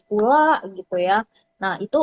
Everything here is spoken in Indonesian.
pula gitu ya nah itu